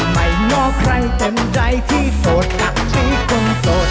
ไม่ง้อใครเต็มใดที่โสดกับสิ่งคนโสด